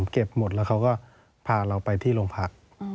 เก็บหมดแล้วเขาก็พาเราไปที่โรงพัก